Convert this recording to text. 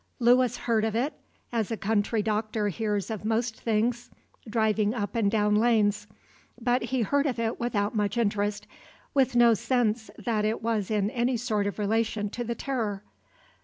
Lewis heard of it, as a country doctor hears of most things, driving up and down the lanes, but he heard of it without much interest, with no sense that it was in any sort of relation to the terror.